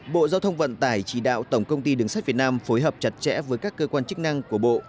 bộ giao thông vận tải chỉ đạo tổng công ty đường sắt việt nam phối hợp chặt chẽ với các cơ quan chức năng của bộ